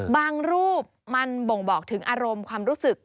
รูปมันบ่งบอกถึงอารมณ์ความรู้สึก